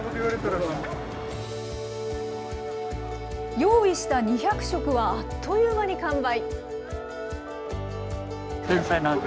用意した２００食はあっという間に完売。